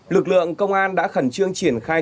lực lượng công an đã khẩn trương triển khai